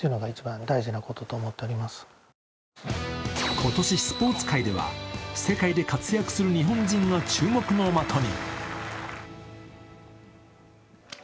今年、スポーツ界では世界で活躍する日本人が注目の的に。